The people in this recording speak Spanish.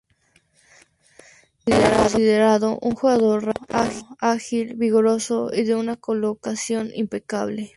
Era considerado un jugador rápido, ágil vigoroso y de una colocación impecable.